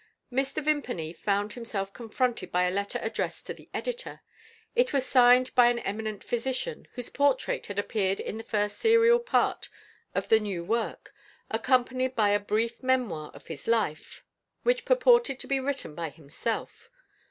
Mr. Vimpany found himself confronted by a letter addressed to the editor. It was signed by an eminent physician, whose portrait had appeared in the first serial part of the new work accompanied by a brief memoir of his life, which purported to be written by himself.